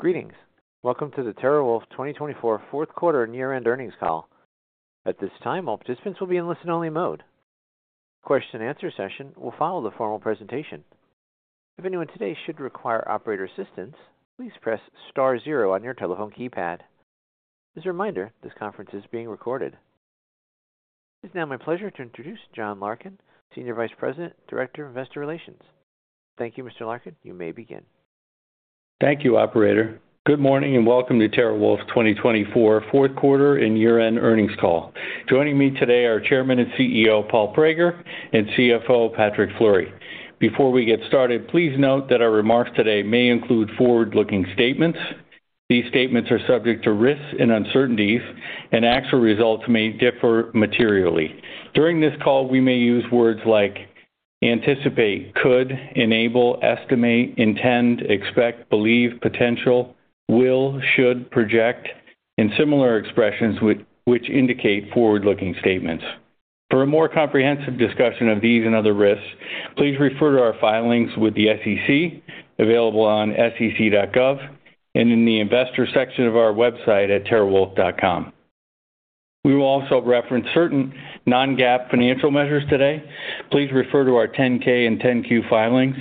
Greetings. Welcome to the TeraWulf 2024 Fourth Quarter and Year-End Earnings Call. At this time, all participants will be in listen-only mode. Question-and-answer session will follow the formal presentation. If anyone today should require operator assistance, please press star zero on your telephone keypad. As a reminder, this conference is being recorded. It is now my pleasure to introduce John Larkin, Senior Vice President, Director of Investor Relations. Thank you, Mr. Larkin. You may begin. Thank you, Operator. Good morning and welcome to TerraWulf 2024 Fourth Quarter and Year-End Earnings Call. Joining me today are Chairman and CEO Paul Prager and CFO Patrick Fleury. Before we get started, please note that our remarks today may include forward-looking statements. These statements are subject to risks and uncertainties, and actual results may differ materially. During this call, we may use words like anticipate, could, enable, estimate, intend, expect, believe, potential, will, should, project, and similar expressions which indicate forward-looking statements. For a more comprehensive discussion of these and other risks, please refer to our filings with the SEC available on sec.gov and in the investor section of our website at terrawulf.com. We will also reference certain non-GAAP financial measures today. Please refer to our 10-K and 10-Q filings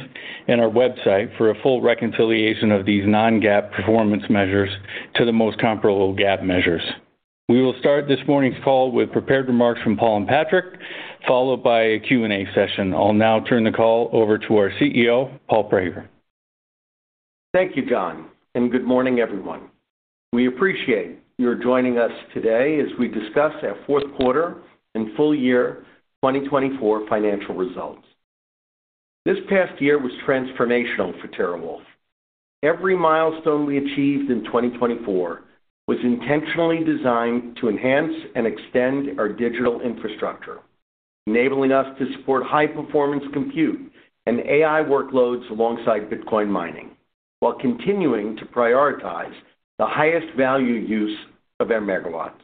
and our website for a full reconciliation of these non-GAAP performance measures to the most comparable GAAP measures. We will start this morning's call with prepared remarks from Paul and Patrick, followed by a Q&A session. I'll now turn the call over to our CEO, Paul Prager. Thank you, John, and good morning, everyone. We appreciate your joining us today as we discuss our fourth quarter and full year 2024 financial results. This past year was transformational for TeraWulf. Every milestone we achieved in 2024 was intentionally designed to enhance and extend our digital infrastructure, enabling us to support high-performance compute and AI workloads alongside Bitcoin mining, while continuing to prioritize the highest value use of our megawatts.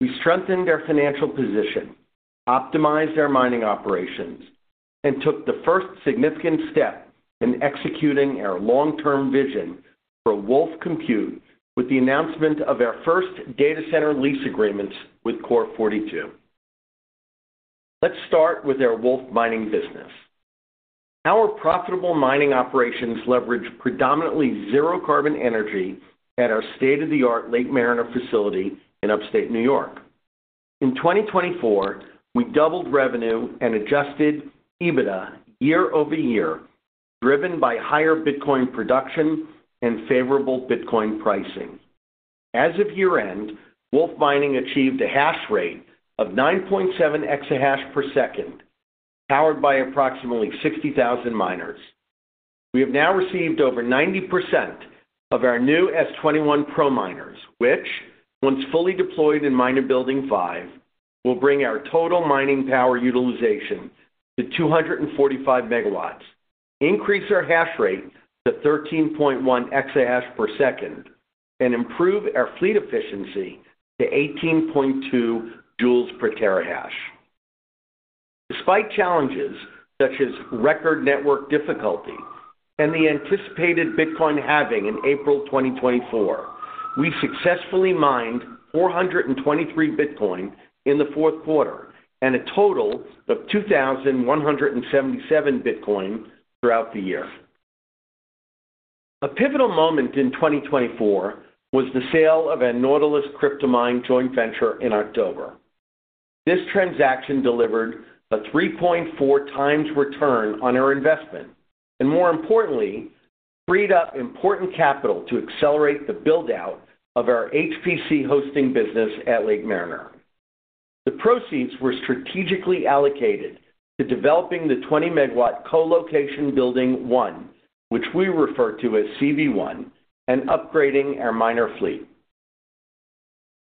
We strengthened our financial position, optimized our mining operations, and took the first significant step in executing our long-term vision for Wulf Compute with the announcement of our first data center lease agreements with Core42. Let's start with our Wulf Mining business. Our profitable mining operations leverage predominantly zero-carbon energy at our state-of-the-art Lake Mariner facility in upstate New York. In 2024, we doubled revenue and adjusted EBITDA year over year, driven by higher Bitcoin production and favorable Bitcoin pricing. As of year-end, Wulf Mining achieved a hash rate of 9.7 exahash per second, powered by approximately 60,000 miners. We have now received over 90% of our new S21 Pro miners, which, once fully deployed in Miner Building 5, will bring our total mining power utilization to 245 megawatts, increase our hash rate to 13.1 exahash per second, and improve our fleet efficiency to 18.2 joules per terahash. Despite challenges such as record network difficulty and the anticipated Bitcoin halving in April 2024, we successfully mined 423 Bitcoin in the fourth quarter and a total of 2,177 Bitcoin throughout the year. A pivotal moment in 2024 was the sale of our Nautilus Cryptomine joint venture in October. This transaction delivered a 3.4 times return on our investment and, more importantly, freed up important capital to accelerate the build-out of our HPC hosting business at Lake Mariner. The proceeds were strategically allocated to developing the 20-megawatt Colocation Building 1, which we refer to as CB1, and upgrading our miner fleet.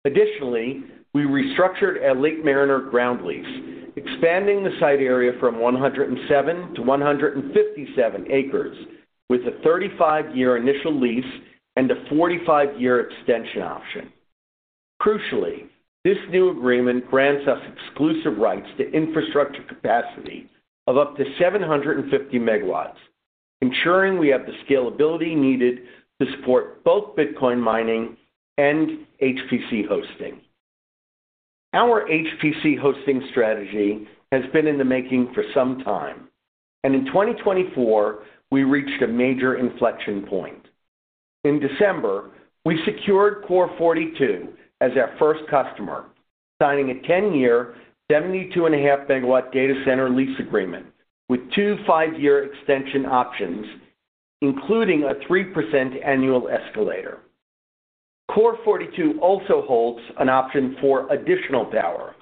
Additionally, we restructured our Lake Mariner ground lease, expanding the site area from 107 to 157 acres with a 35-year initial lease and a 45-year extension option. Crucially, this new agreement grants us exclusive rights to infrastructure capacity of up to 750 megawatts, ensuring we have the scalability needed to support both Bitcoin mining and HPC hosting. Our HPC hosting strategy has been in the making for some time, and in 2024, we reached a major inflection point. In December, we secured Core42 as our first customer, signing a 10-year, 72.5 MW data center lease agreement with two five-year extension options, including a 3% annual escalator. Core42 also holds an option for additional power,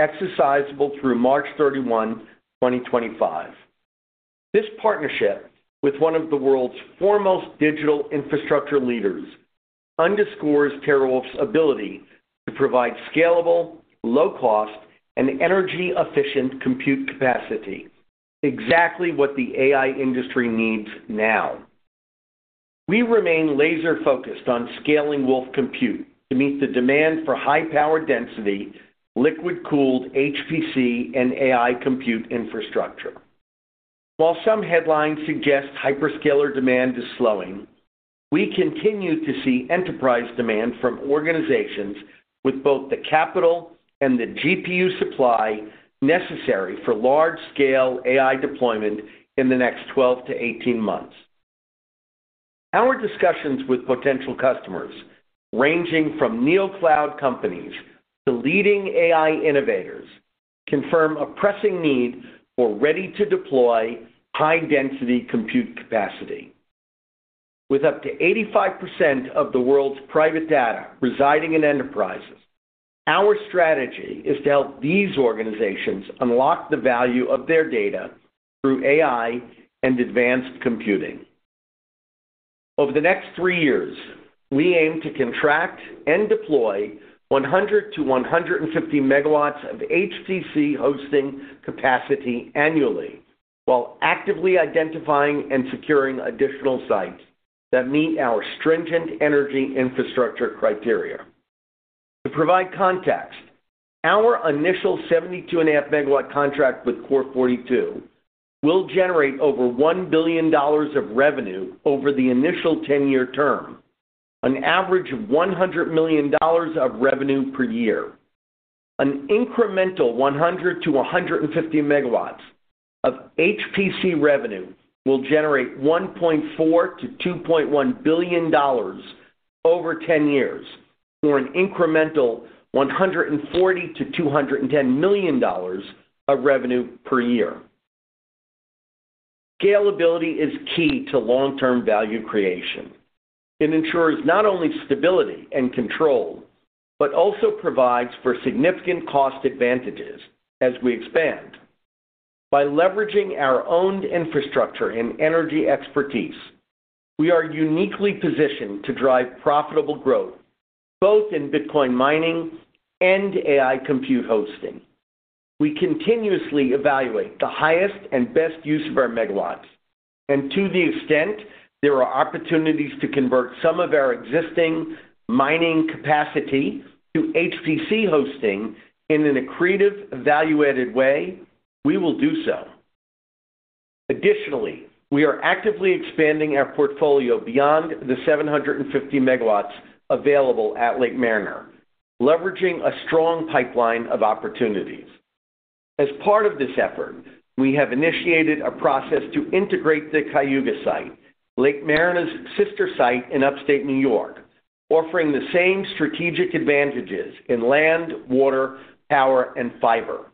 exercisable through March 31, 2025. This partnership with one of the world's foremost digital infrastructure leaders underscores TerraWulf's ability to provide scalable, low-cost, and energy-efficient compute capacity, exactly what the AI industry needs now. We remain laser-focused on scaling Wulf Compute to meet the demand for high-power density, liquid-cooled HPC and AI compute infrastructure. While some headlines suggest hyperscaler demand is slowing, we continue to see enterprise demand from organizations with both the capital and the GPU supply necessary for large-scale AI deployment in the next 12 to 18 months. Our discussions with potential customers, ranging from neocloud companies to leading AI innovators, confirm a pressing need for ready-to-deploy high-density compute capacity. With up to 85% of the world's private data residing in enterprises, our strategy is to help these organizations unlock the value of their data through AI and advanced computing. Over the next three years, we aim to contract and deploy 100 to 150 megawatts of HPC hosting capacity annually, while actively identifying and securing additional sites that meet our stringent energy infrastructure criteria. To provide context, our initial 72.5 megawatt contract with Core42 will generate over $1 billion of revenue over the initial 10-year term, an average of $100 million of revenue per year. An incremental 100 to 150 megawatts of HPC revenue will generate $1.4-$2.1 billion over 10 years, or an incremental $140-$210 million of revenue per year. Scalability is key to long-term value creation. It ensures not only stability and control, but also provides for significant cost advantages as we expand. By leveraging our owned infrastructure and energy expertise, we are uniquely positioned to drive profitable growth both in Bitcoin mining and AI compute hosting. We continuously evaluate the highest and best use of our megawatts, and to the extent there are opportunities to convert some of our existing mining capacity to HPC hosting in an accretive value-added way, we will do so. Additionally, we are actively expanding our portfolio beyond the 750 megawatts available at Lake Mariner, leveraging a strong pipeline of opportunities. As part of this effort, we have initiated a process to integrate the Cayuga site, Lake Mariner's sister site in upstate New York, offering the same strategic advantages in land, water, power, and fiber.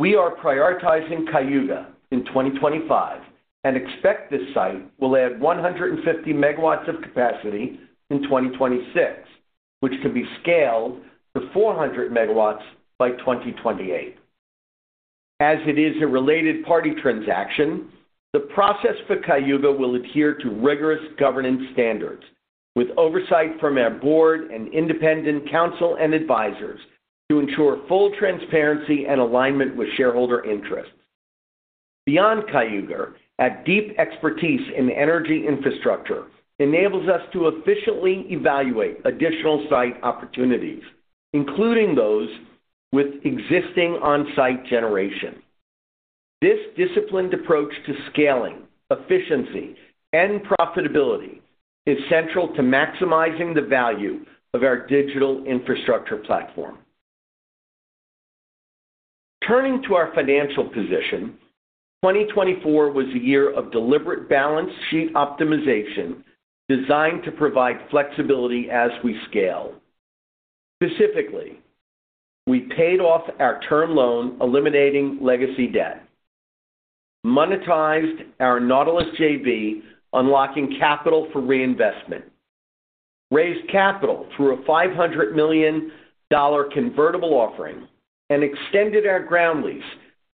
We are prioritizing Cayuga in 2025 and expect this site will add 150 megawatts of capacity in 2026, which can be scaled to 400 megawatts by 2028. As it is a related party transaction, the process for Cayuga will adhere to rigorous governance standards, with oversight from our board and independent counsel and advisors to ensure full transparency and alignment with shareholder interests. Beyond Cayuga, our deep expertise in energy infrastructure enables us to efficiently evaluate additional site opportunities, including those with existing on-site generation. This disciplined approach to scaling, efficiency, and profitability is central to maximizing the value of our digital infrastructure platform. Turning to our financial position, 2024 was a year of deliberate balance sheet optimization designed to provide flexibility as we scale. Specifically, we paid off our term loan, eliminating legacy debt, monetized our Nautilus JV, unlocking capital for reinvestment, raised capital through a $500 million convertible offering, and extended our ground lease,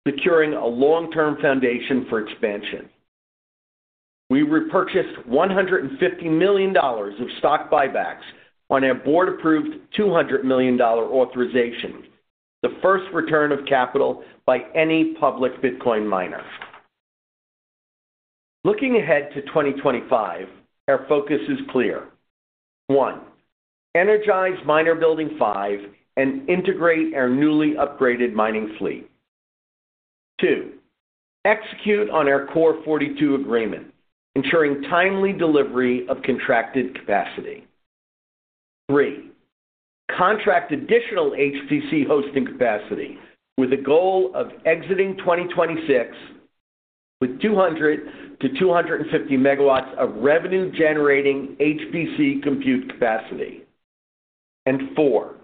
securing a long-term foundation for expansion. We repurchased $150 million of stock buybacks on our board-approved $200 million authorization, the first return of capital by any public Bitcoin miner. Looking ahead to 2025, our focus is clear: one, energize Miner Building 5 and integrate our newly upgraded mining fleet. Two, execute on our Core42 agreement, ensuring timely delivery of contracted capacity. Three, contract additional HPC hosting capacity with a goal of exiting 2026 with 200-250 megawatts of revenue-generating HPC compute capacity. And four,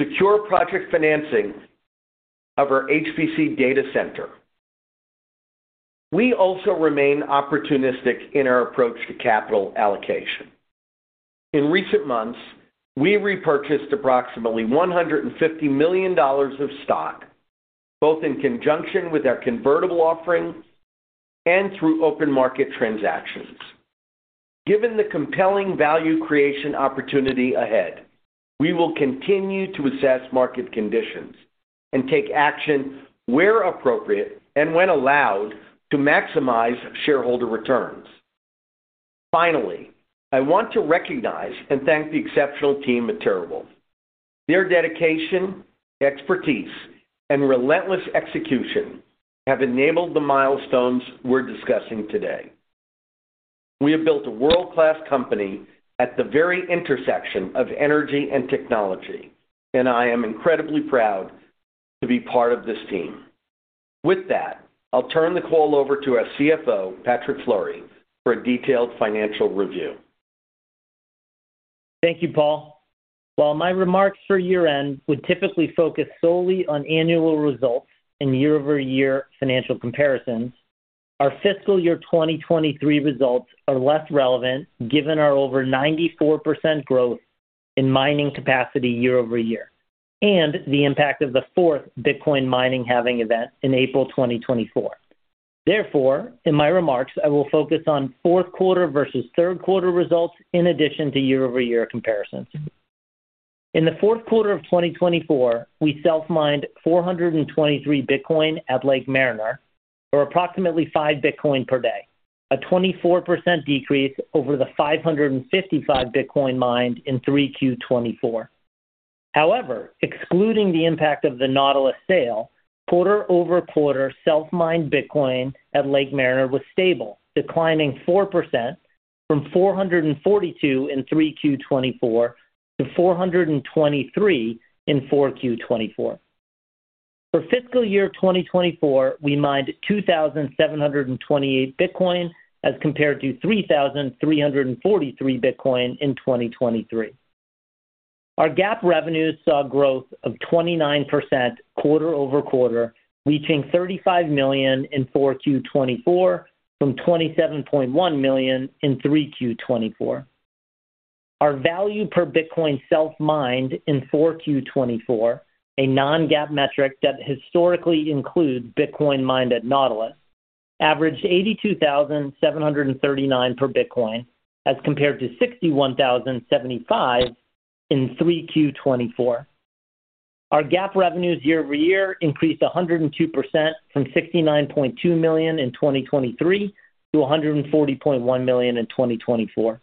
secure project financing of our HPC data center. We also remain opportunistic in our approach to capital allocation. In recent months, we repurchased approximately $150 million of stock, both in conjunction with our convertible offering and through open market transactions. Given the compelling value creation opportunity ahead, we will continue to assess market conditions and take action where appropriate and when allowed to maximize shareholder returns. Finally, I want to recognize and thank the exceptional team at TeraWulf. Their dedication, expertise, and relentless execution have enabled the milestones we're discussing today. We have built a world-class company at the very intersection of energy and technology, and I am incredibly proud to be part of this team. With that, I'll turn the call over to our CFO, Patrick Fleury, for a detailed financial review. Thank you, Paul. While my remarks for year-end would typically focus solely on annual results and year-over-year financial comparisons, our fiscal year 2023 results are less relevant given our over 94% growth in mining capacity year-over-year and the impact of the fourth Bitcoin mining halving event in April 2024. Therefore, in my remarks, I will focus on fourth quarter versus third quarter results in addition to year-over-year comparisons. In the fourth quarter of 2024, we self-mined 423 Bitcoin at Lake Mariner, or approximately five Bitcoin per day, a 24% decrease over the 555 Bitcoin mined in 3Q24. However, excluding the impact of the Nautilus sale, quarter-over-quarter self-mined Bitcoin at Lake Mariner was stable, declining 4% from 442 in 3Q24 to 423 in 4Q24. For fiscal year 2024, we mined 2,728 Bitcoin as compared to 3,343 Bitcoin in 2023. Our GAAP revenues saw growth of 29% quarter-over-quarter, reaching $35 million in 4Q24 from $27.1 million in 3Q24. Our value per Bitcoin self-mined in 4Q24, a non-GAAP metric that historically includes Bitcoin mined at Nautilus, averaged $82,739 per Bitcoin as compared to $61,075 in 3Q24. Our GAAP revenues year-over-year increased 102% from $69.2 million in 2023 to $140.1 million in 2024.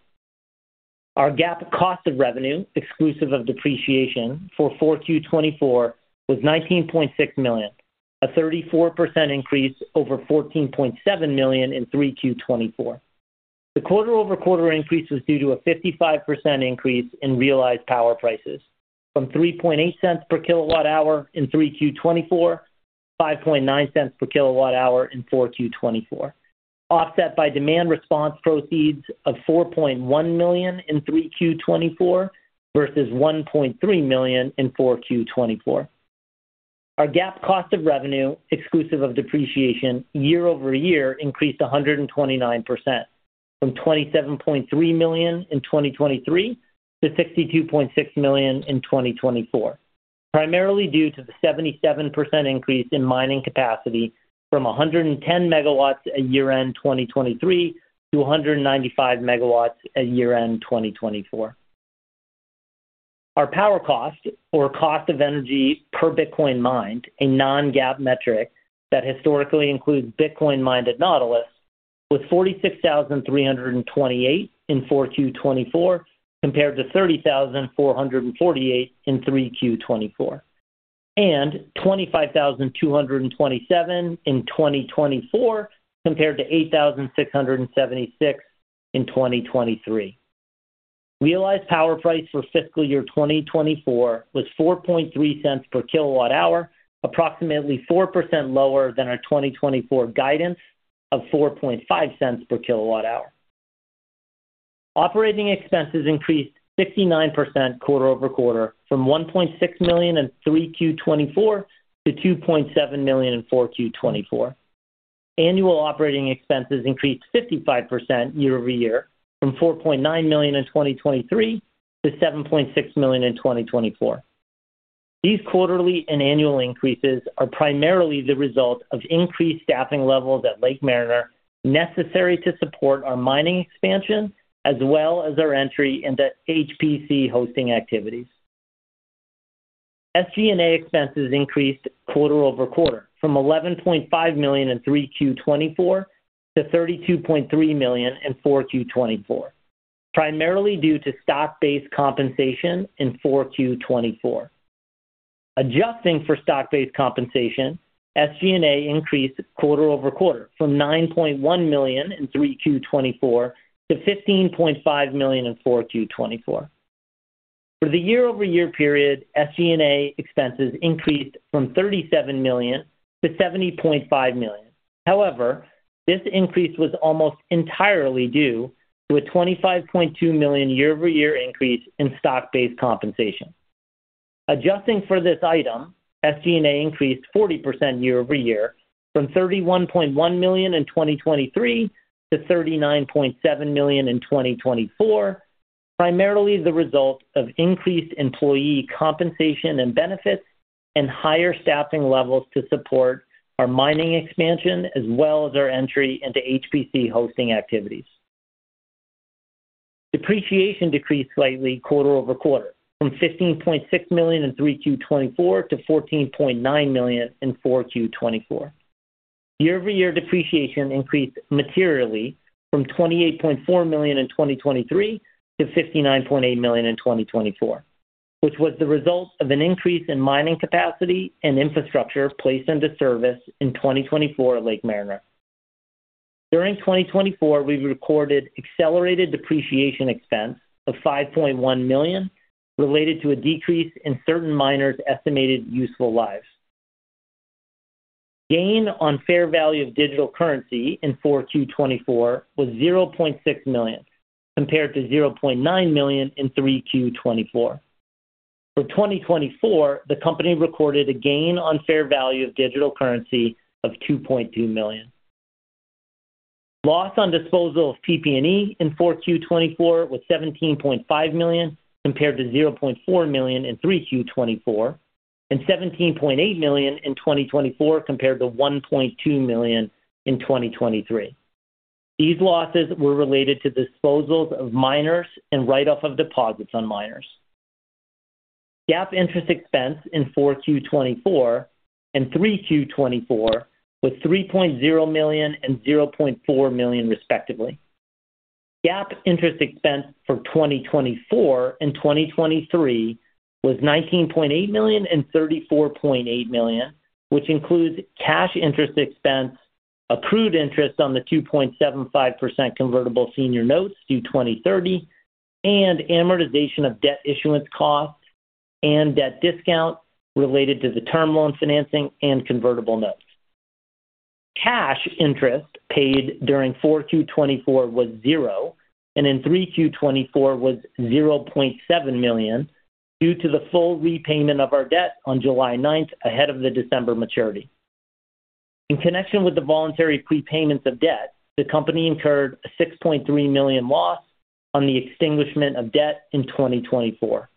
Our GAAP cost of revenue, exclusive of depreciation, for 4Q24 was $19.6 million, a 34% increase over $14.7 million in 3Q24. The quarter-over-quarter increase was due to a 55% increase in realized power prices from $0.03 per kilowatt-hour in 3Q24 to $0.05 per kilowatt-hour in 4Q24, offset by demand response proceeds of $4.1 million in 3Q24 versus $1.3 million in 4Q24. Our GAAP cost of revenue, exclusive of depreciation, year-over-year increased 129% from $27.3 million in 2023 to $62.6 million in 2024, primarily due to the 77% increase in mining capacity from 110 megawatts at year-end 2023 to 195 megawatts at year-end 2024. Our power cost, or cost of energy per Bitcoin mined, a non-GAAP metric that historically includes Bitcoin mined at Nautilus, was $46,328 in 4Q24 compared to $30,448 in 3Q24, and $25,227 in 2024 compared to $8,676 in 2023. Realized power price for fiscal year 2024 was $0.04 per kilowatt-hour, approximately 4% lower than our 2024 guidance of $0.04 per kilowatt-hour. Operating expenses increased 69% quarter-over-quarter from $1.6 million in 3Q24 to $2.7 million in 4Q24. Annual operating expenses increased 55% year-over-year from $4.9 million in 2023 to $7.6 million in 2024. These quarterly and annual increases are primarily the result of increased staffing levels at Lake Mariner necessary to support our mining expansion, as well as our entry into HPC hosting activities. SG&A expenses increased quarter-over-quarter from $11.5 million in 3Q24 to $32.3 million in 4Q24, primarily due to stock-based compensation in 4Q24. Adjusting for stock-based compensation, SG&A increased quarter-over-quarter from $9.1 million in 3Q24 to $15.5 million in 4Q24. For the year-over-year period, SG&A expenses increased from $37 million to $70.5 million. However, this increase was almost entirely due to a $25.2 million year-over-year increase in stock-based compensation. Adjusting for this item, SG&A increased 40% year-over-year from $31.1 million in 2023 to $39.7 million in 2024, primarily the result of increased employee compensation and benefits and higher staffing levels to support our mining expansion, as well as our entry into HPC hosting activities. Depreciation decreased slightly quarter-over-quarter from $15.6 million in 3Q24 to $14.9 million in 4Q24. Year-over-year depreciation increased materially from $28.4 million in 2023 to $59.8 million in 2024, which was the result of an increase in mining capacity and infrastructure placed into service in 2024 at Lake Mariner. During 2024, we recorded accelerated depreciation expense of $5.1 million related to a decrease in certain miners' estimated useful lives. Gain on fair value of digital currency in 4Q24 was $0.6 million compared to $0.9 million in 3Q24. For 2024, the company recorded a gain on fair value of digital currency of $2.2 million. Loss on disposal of PP&E in 4Q24 was $17.5 million compared to $0.4 million in 3Q24 and $17.8 million in 2024 compared to $1.2 million in 2023. These losses were related to disposals of miners and write-off of deposits on miners. GAAP interest expense in 4Q24 and 3Q24 was $3.0 million and $0.4 million, respectively. GAAP interest expense for 2024 and 2023 was $19.8 million and $34.8 million, which includes cash interest expense, accrued interest on the 2.75% convertible senior notes due 2030, and amortization of debt issuance costs and debt discounts related to the term loan financing and convertible notes. Cash interest paid during 4Q24 was $0, and in 3Q24 was $0.7 million due to the full repayment of our debt on July 9th ahead of the December maturity. In connection with the voluntary prepayments of debt, the company incurred a $6.3 million loss on the extinguishment of debt in 2024.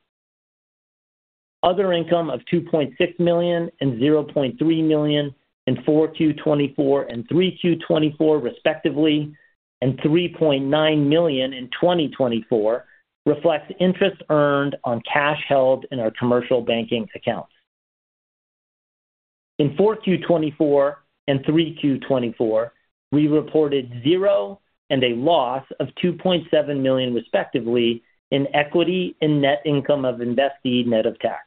Other income of $2.6 million and $0.3 million in 4Q24 and 3Q24, respectively, and $3.9 million in 2024 reflects interest earned on cash held in our commercial banking accounts. In 4Q24 and 3Q24, we reported $0 and a loss of $2.7 million, respectively, in equity and net income of investee net of tax.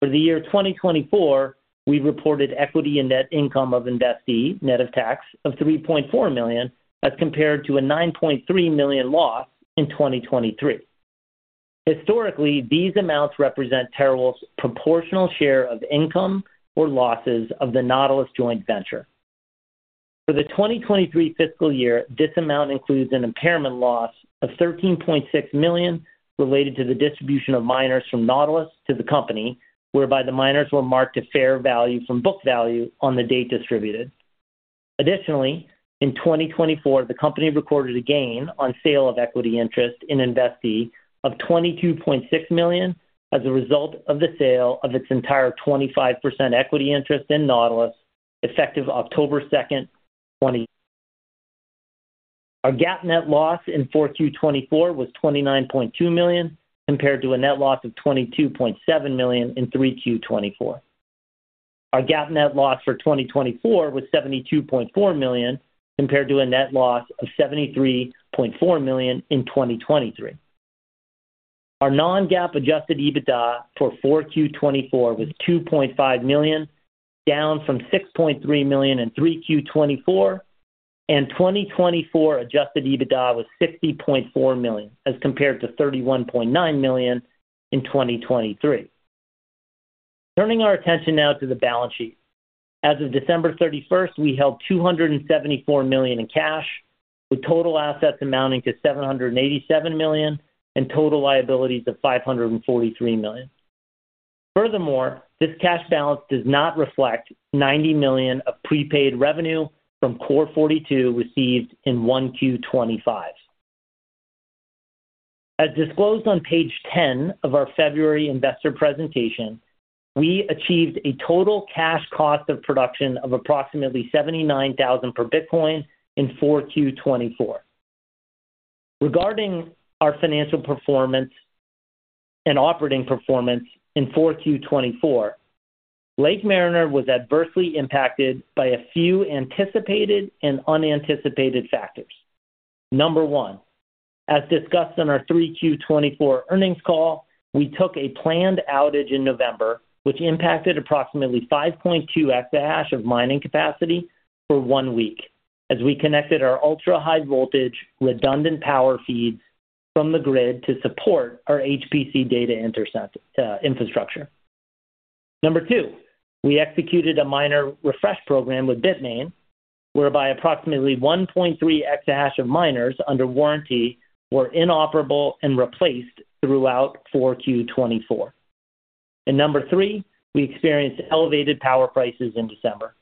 For the year 2024, we reported equity and net income of investee net of tax of $3.4 million as compared to a $9.3 million loss in 2023. Historically, these amounts represent TerraWulf's proportional share of income or losses of the Nautilus joint venture. For the 2023 fiscal year, this amount includes an impairment loss of $13.6 million related to the distribution of miners from Nautilus to the company, whereby the miners were marked to fair value from book value on the date distributed. Additionally, in 2024, the company recorded a gain on sale of equity interest in investee of $22.6 million as a result of the sale of its entire 25% equity interest in Nautilus effective October 2nd. Our GAAP net loss in 4Q24 was $29.2 million compared to a net loss of $22.7 million in 3Q24. Our GAAP net loss for 2024 was $72.4 million compared to a net loss of $73.4 million in 2023. Our non-GAAP adjusted EBITDA for 4Q24 was $2.5 million, down from $6.3 million in 3Q24, and 2024 adjusted EBITDA was $60.4 million as compared to $31.9 million in 2023. Turning our attention now to the balance sheet. As of December 31st, we held $274 million in cash, with total assets amounting to $787 million and total liabilities of $543 million. Furthermore, this cash balance does not reflect $90 million of prepaid revenue from Core42 received in 1Q25. As disclosed on page 10 of our February investor presentation, we achieved a total cash cost of production of approximately $79,000 per Bitcoin in 4Q24. Regarding our financial performance and operating performance in 4Q24, Lake Mariner was adversely impacted by a few anticipated and unanticipated factors. Number one, as discussed in our 3Q24 earnings call, we took a planned outage in November, which impacted approximately 5.2 exahash of mining capacity for one week as we connected our ultra-high voltage redundant power feeds from the grid to support our HPC data infrastructure. Number two, we executed a minor refresh program with Bitmain, whereby approximately 1.3 exahash of miners under warranty were inoperable and replaced throughout 4Q24. And number three, we experienced elevated power prices in December.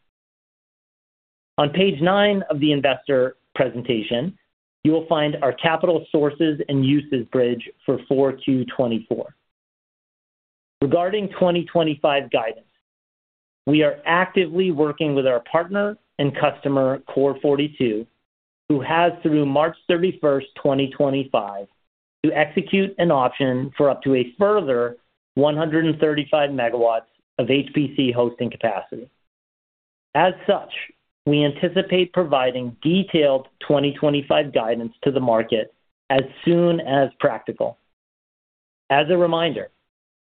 On page nine of the investor presentation, you will find our capital sources and uses bridge for 4Q24. Regarding 2025 guidance, we are actively working with our partner and customer Core42, who has through March 31st, 2025, to execute an option for up to a further 135 MW of HPC hosting capacity. As such, we anticipate providing detailed 2025 guidance to the market as soon as practical. As a reminder,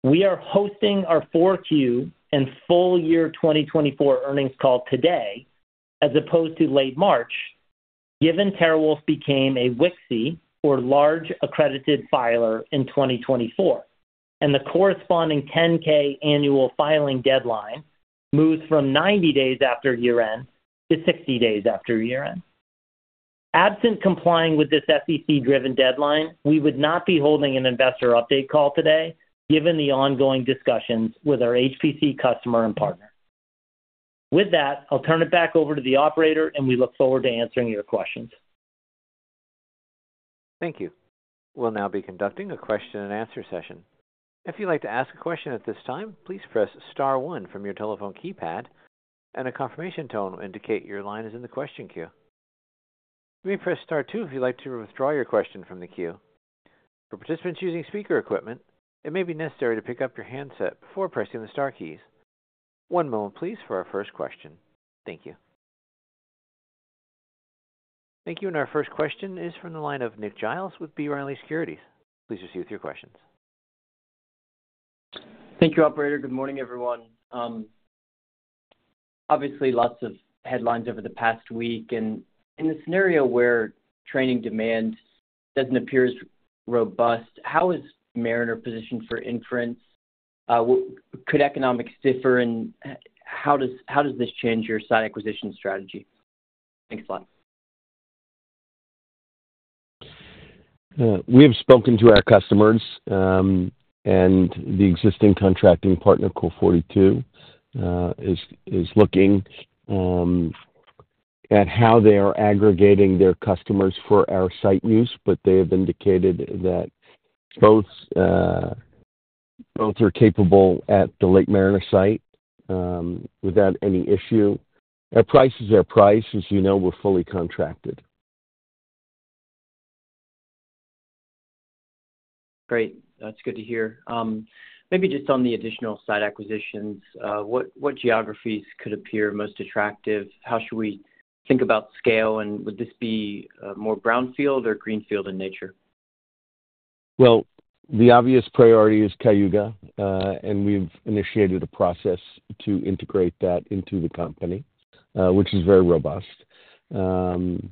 we are hosting our 4Q and full year 2024 earnings call today as opposed to late March, given TerraWulf became a large accelerated filer in 2024, and the corresponding 10-K annual filing deadline moves from 90 days after year-end to 60 days after year-end. Absent complying with this SEC-driven deadline, we would not be holding an investor update call today, given the ongoing discussions with our HPC customer and partner. With that, I'll turn it back over to the operator, and we look forward to answering your questions. Thank you. We'll now be conducting a question-and-answer session. If you'd like to ask a question at this time, please press Star 1 from your telephone keypad, and a confirmation tone will indicate your line is in the question queue. You may press Star 2 if you'd like to withdraw your question from the queue. For participants using speaker equipment, it may be necessary to pick up your handset before pressing the Star keys. One moment, please, for our first question. Thank you. Thank you. And our first question is from the line of Nick Giles with B. Riley Securities. Please proceed with your questions. Thank you, Operator. Good morning, everyone. Obviously, lots of headlines over the past week. And in a scenario where training demand doesn't appear as robust, how is Mariner positioned for inference? Could economics differ? And how does this change your site acquisition strategy? Thanks a lot. We have spoken to our customers, and the existing contracting partner, Core42, is looking at how they are aggregating their customers for our site use, but they have indicated that both are capable at the Lake Mariner site without any issue. Our price is our price. As you know, we're fully contracted. Great. That's good to hear. Maybe just on the additional site acquisitions, what geographies could appear most attractive? How should we think about scale? And would this be more brownfield or greenfield in nature? Well, the obvious priority is Cayuga, and we've initiated a process to integrate that into the company, which is very robust. And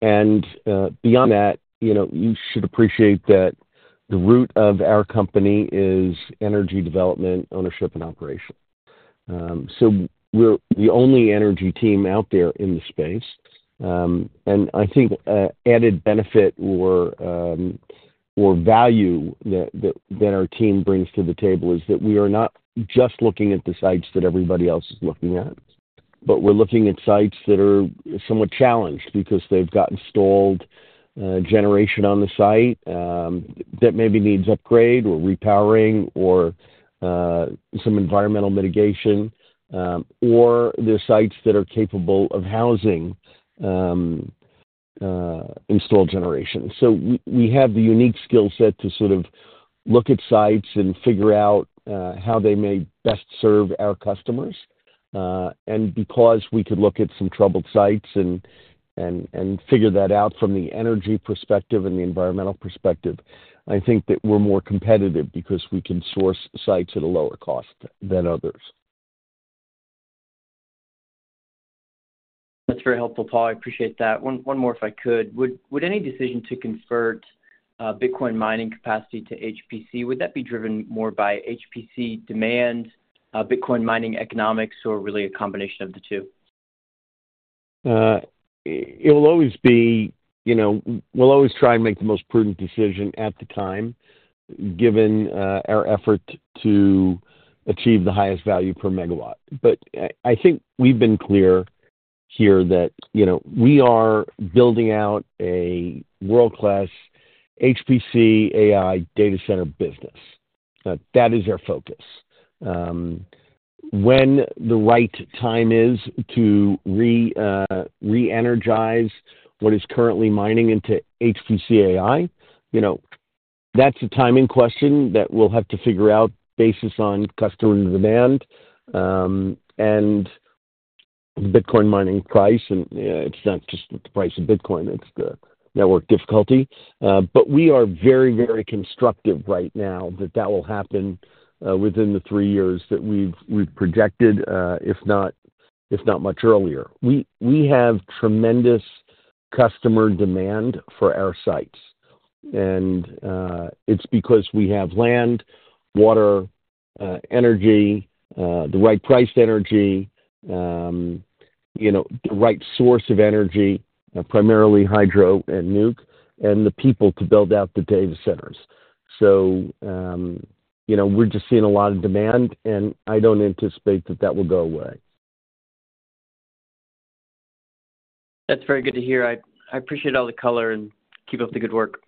beyond that, you should appreciate that the root of our company is energy development, ownership, and operation. So we're the only energy team out there in the space. And I think added benefit or value that our team brings to the table is that we are not just looking at the sites that everybody else is looking at, but we're looking at sites that are somewhat challenged because they've got installed generation on the site that maybe needs upgrade or repowering or some environmental mitigation, or there are sites that are capable of housing installed generation. So we have the unique skill set to sort of look at sites and figure out how they may best serve our customers. And because we could look at some troubled sites and figure that out from the energy perspective and the environmental perspective, I think that we're more competitive because we can source sites at a lower cost than others. That's very helpful, Paul. I appreciate that. One more, if I could. Would any decision to convert Bitcoin mining capacity to HPC, would that be driven more by HPC demand, Bitcoin mining economics, or really a combination of the two? It will always be. We'll always try and make the most prudent decision at the time, given our effort to achieve the highest value per megawatt. But I think we've been clear here that we are building out a world-class HPC AI data center business. That is our focus. When the right time is to re-energize what is currently mining into HPC AI, that's a timing question that we'll have to figure out based on customer demand and the Bitcoin mining price. And it's not just the price of Bitcoin, it's the network difficulty. But we are very, very constructive right now that that will happen within the three years that we've projected, if not much earlier. We have tremendous customer demand for our sites, and it's because we have land, water, energy, the right priced energy, the right source of energy, primarily hydro and nuke, and the people to build out the data centers, so we're just seeing a lot of demand, and I don't anticipate that that will go away. That's very good to hear. I appreciate all the color and keep up the good work.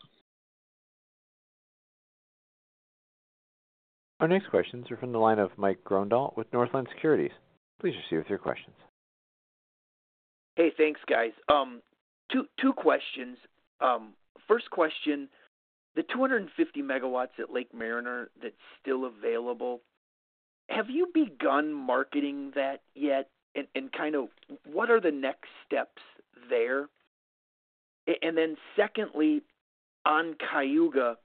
Our next questions are from the line of Mike Grondahl with Northland Securities. Please proceed with your questions. Hey, thanks, guys. Two questions. First question, the 250 megawatts at Lake Mariner that's still available, have you begun marketing that yet? And kind of what are the next steps there? And then secondly, on Cayuga,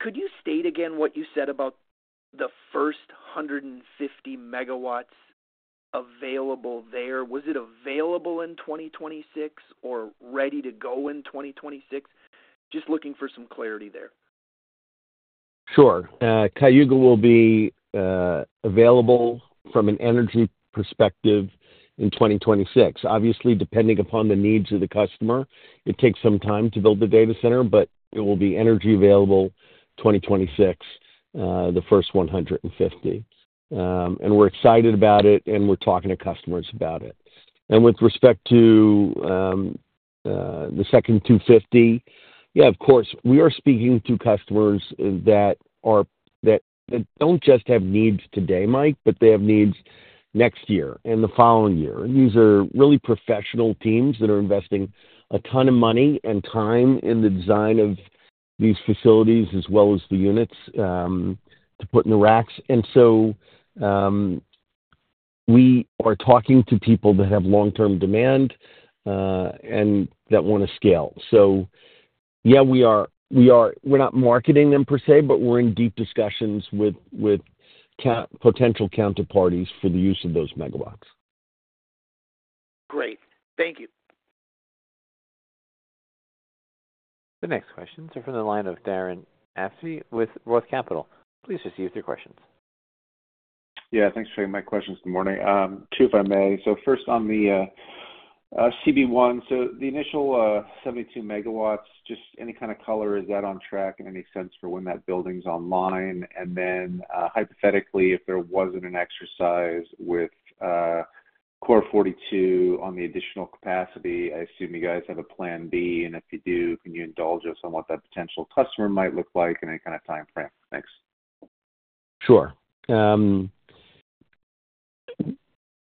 could you state again what you said about the first 150 megawatts available there? Was it a vailable in 2026 or ready to go in 2026? Just looking for some clarity there. Sure. Cayuga will be available from an energy perspective in 2026. Obviously, depending upon the needs of the customer, it takes some time to build the data center, but it will be energy available 2026, the first 150. And we're excited about it, and we're talking to customers about it. And with respect to the second 250, yeah, of course, we are speaking to customers that don't just have needs today, Mike, but they have needs next year and the following year. And these are really professional teams that are investing a ton of money and time in the design of these facilities as well as the units to put in the racks. And so we are talking to people that have long-term demand and that want to scale. So yeah, we're not marketing them per se, but we're in deep discussions with potential counterparties for the use of those megawatts. Great. Thank you. The next questions are from the line of Darren Aftahi with Roth MKM. Please proceed with your questions. Yeah. Thanks for taking my questions. Good morning. Two, if I may. So first on the CB1, so the initial 72 megawatts, just any kind of color, is that on track in any sense for when that building's online? And then hypothetically, if there wasn't an exercise with Core42 on the additional capacity, I assume you guys have a plan B. And if you do, can you indulge us on what that potential customer might look like and any kind of time frame? Thanks. Sure.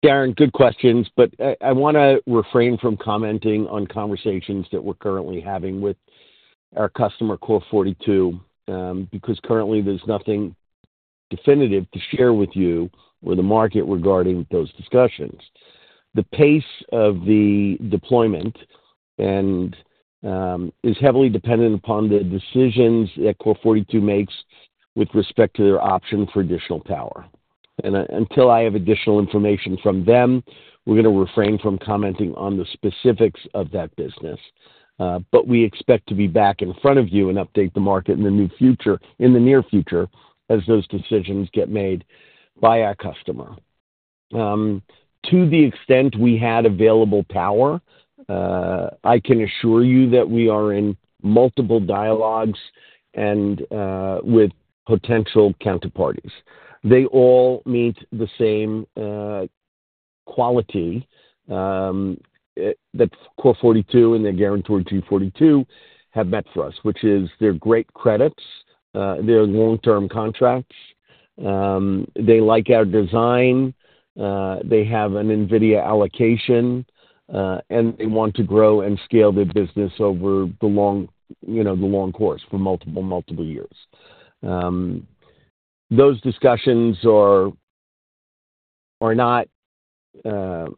Darren, good questions, but I want to refrain from commenting on conversations that we're currently having with our customer Core42 because currently there's nothing definitive to share with you or the market regarding those discussions. The pace of the deployment is heavily dependent upon the decisions that Core42 makes with respect to their option for additional power. And until I have additional information from them, we're going to refrain from commenting on the specifics of that business. But we expect to be back in front of you and update the market in the near future as those decisions get made by our customer. To the extent we had available power, I can assure you that we are in multiple dialogues with potential counterparties. They all meet the same quality that Core42 and their guarantor G42 have met for us, which is their great credits, their long-term contracts. They like our design. They have an NVIDIA allocation, and they want to grow and scale their business over the long course for multiple, multiple years. Those discussions are not immature.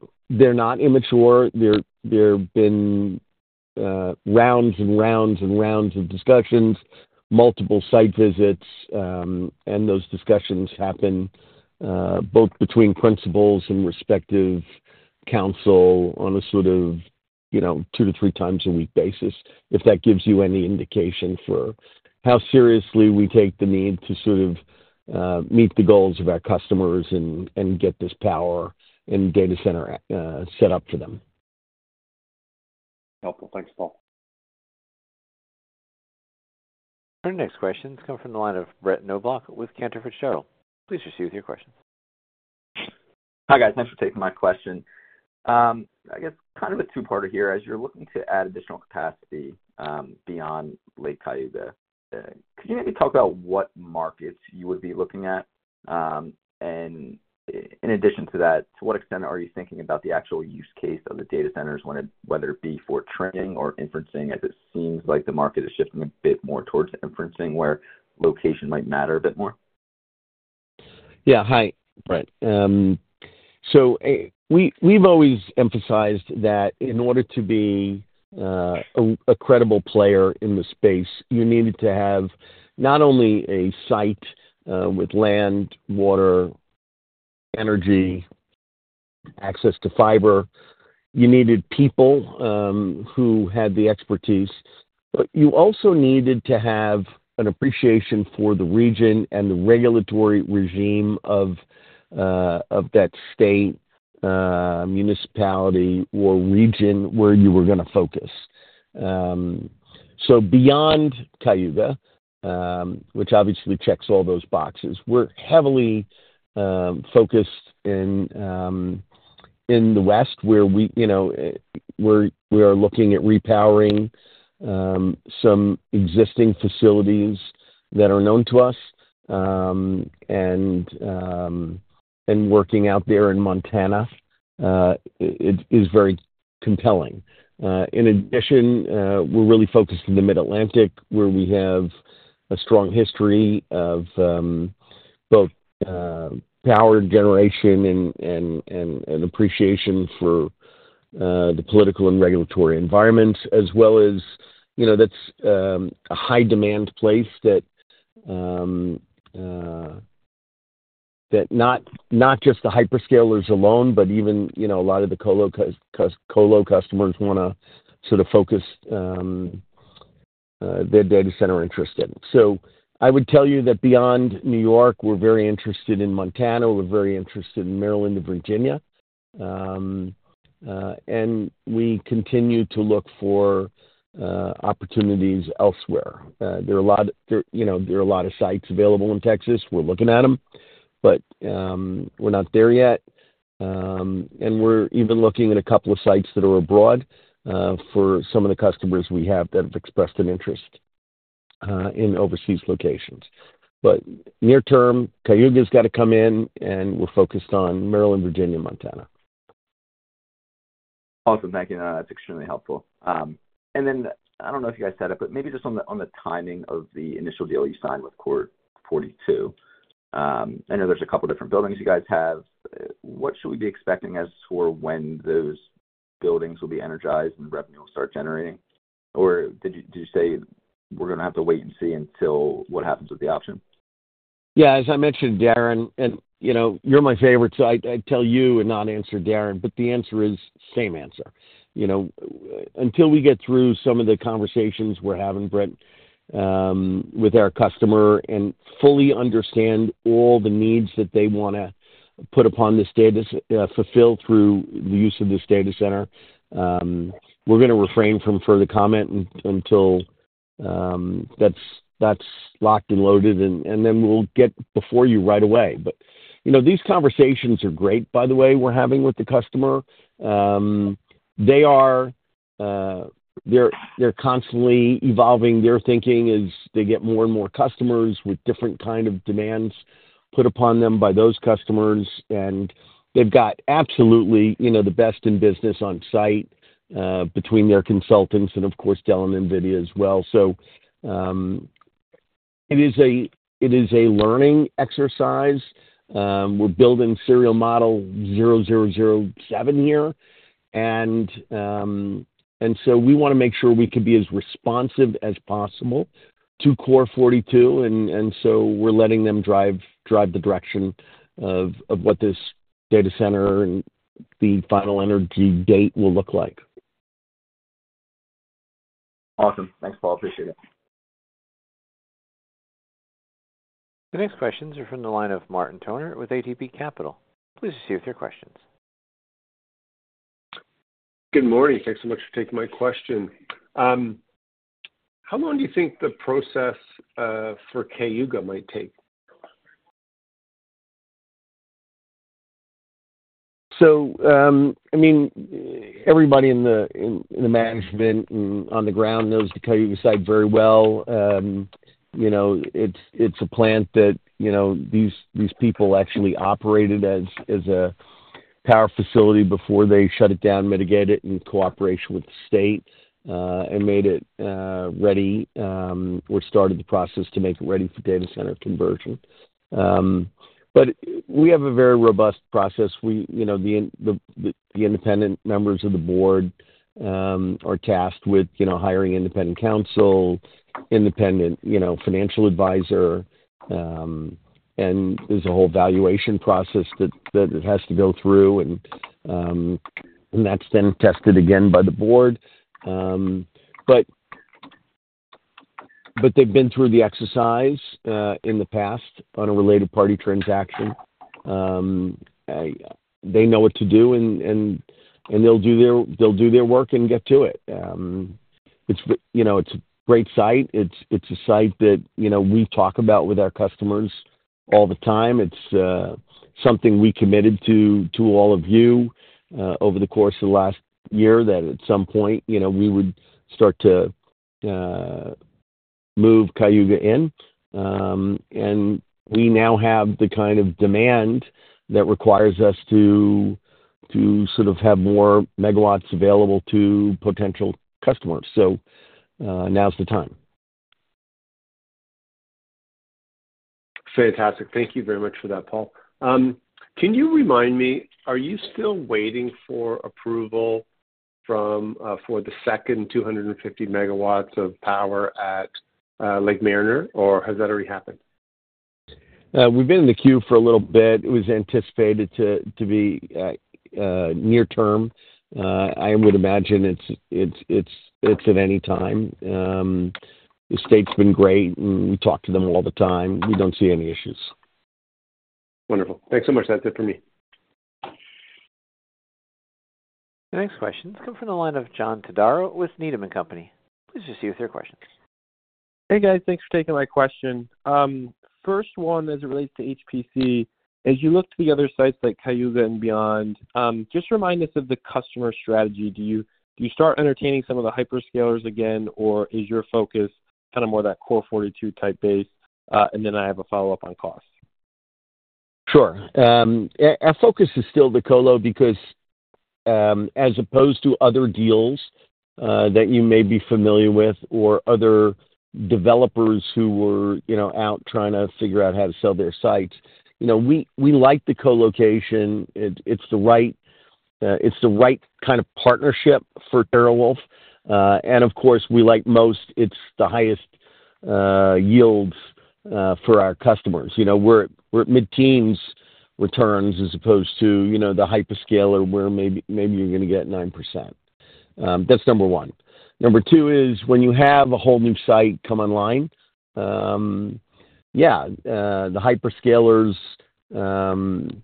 There have been rounds and rounds and rounds of discussions, multiple site visits, and those discussions happen both between principals and respective counsel on a sort of two to three times a week basis, if that gives you any indication for how seriously we take the need to sort of meet the goals of our customers and get this power and data center set up for them. Helpful. Thanks, Paul. For the next questions, come from the line of Brett Knoblauch with Cantor Fitzgerald. Please proceed with your questions. Hi, guys. Thanks for taking my question. I guess kind of a two-parter here. As you're looking to add additional capacity beyond Cayuga, could you maybe talk about what markets you would be looking at? And in addition to that, to what extent are you thinking about the actual use case of the data centers, whether it be for training or inferencing, as it seems like the market is shifting a bit more towards inferencing where location might matter a bit more? Yeah. Hi, Brett. So we've always emphasized that in order to be a credible player in the space, you needed to have not only a site with land, water, energy, access to fiber, you needed people who had the expertise, but you also needed to have an appreciation for the region and the regulatory regime of that state, municipality, or region where you were going to focus. So beyond Cayuga, which obviously checks all those boxes, we're heavily focused in the West where we are looking at repowering some existing facilities that are known to us and working out there in Montana. It is very compelling. In addition, we're really focused in the Mid-Atlantic where we have a strong history of both power generation and appreciation for the political and regulatory environment, as well as that's a high-demand place that not just the hyperscalers alone, but even a lot of the colo customers want to sort of focus their data center interest in. So I would tell you that beyond New York, we're very interested in Montana. We're very interested in Maryland and Virginia. And we continue to look for opportunities elsewhere. There are a lot of sites available in Texas. We're looking at them, but we're not there yet. And we're even looking at a couple of sites that are abroad for some of the customers we have that have expressed an interest in overseas locations. But near-term, Cayuga's got to come in, and we're focused on Maryland, Virginia, Montana. Awesome. Thank you. That's extremely helpful. And then I don't know if you guys said it, but maybe just on the timing of the initial deal you signed with Core42. I know there's a couple of different buildings you guys have. What should we be expecting as to when those buildings will be energized and revenue will start generating? Or did you say we're going to have to wait and see until what happens with the option? Yeah. As I mentioned, Darren, and you're my favorite, so I'd tell you and not answer Darren, but the answer is same answer. Until we get through some of the conversations we're having, Brett, with our customer and fully understand all the needs that they want to put upon this data, fulfill through the use of this data center, we're going to refrain from further comment until that's locked and loaded. And then we'll get before you right away. But these conversations are great, by the way, we're having with the customer. They're constantly evolving. Their thinking is they get more and more customers with different kinds of demands put upon them by those customers. And they've got absolutely the best in business on site between their consultants and, of course, Dell and NVIDIA as well. So it is a learning exercise. We're building serial model 0007 here. And so we want to make sure we can be as responsive as possible to Core42. And so we're letting them drive the direction of what this data center and the final energy date will look like. Awesome. Thanks, Paul. Appreciate it. The next questions are from the line of Martin Toner with ATB Capital. Please proceed with your questions. Good morning. Thanks so much for taking my question. How long do you think the process for Cayuga might take? So I mean, everybody in the management and on the ground knows the Cayuga site very well. It's a plant that these people actually operated as a power facility before they shut it down, remediate it in cooperation with the state, and made it ready or started the process to make it ready for data center conversion. But we have a very robust process. The independent members of the board are tasked with hiring independent counsel, independent financial advisor. And there's a whole valuation process that it has to go through, and that's then tested again by the board. But they've been through the exercise in the past on a related party transaction. They know what to do, and they'll do their work and get to it. It's a great site. It's a site that we talk about with our customers all the time. It's something we committed to all of you over the course of the last year that at some point we would start to move Cayuga in. And we now have the kind of demand that requires us to sort of have more megawatts available to potential customers. So now's the time. Fantastic. Thank you very much for that, Paul. Can you remind me, are you still waiting for approval for the second 250 megawatts of power at Lake Mariner, or has that already happened? We've been in the queue for a little bit. It was anticipated to be near-term. I would imagine it's at any time. The state's been great, and we talk to them all the time. We don't see any issues. Wonderful. Thanks so much. That's it for me. The next questions come from the line of John Todaro with Needham & Company. Please proceed with your questions. Hey, guys. Thanks for taking my question. First one, as it relates to HPC, as you look to the other sites like Cayuga and beyond, just remind us of the customer strategy. Do you start entertaining some of the hyperscalers again, or is your focus kind of more that Core42 type base, and then I have a follow-up on cost? Sure. Our focus is still the colo because as opposed to other deals that you may be familiar with or other developers who were out trying to figure out how to sell their sites, we like the colocation. It's the right kind of partnership for TeraWulf. And of course, we like most. It's the highest yields for our customers. We're at mid-teens returns as opposed to the hyperscaler where maybe you're going to get 9%. That's number one. Number two is when you have a whole new site come online. Yeah, the hyperscalers, and